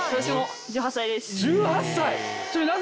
１８歳！